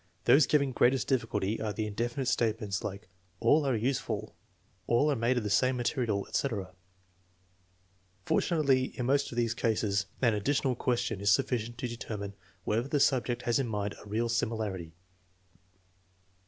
Those giving greatest difficulty are the indefinite statements like " All are useful," "AH are made of the same material," etc. Fortunately, in most of these cases an additional question is sufficient to determine whether the subject has in mind TEST NO. XII, 8 307 a real similarity.